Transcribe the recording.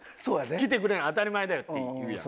来てくれん当たり前だよって言うやん。